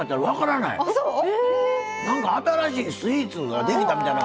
なんか新しいスイーツができたみたいな。